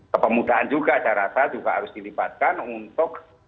kepemudaan juga saya rasa juga harus dilibatkan untuk